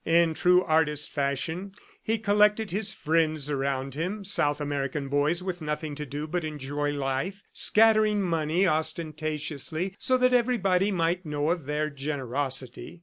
In true artist fashion, he collected his friends around him, South American boys with nothing to do but enjoy life, scattering money ostentatiously so that everybody might know of their generosity.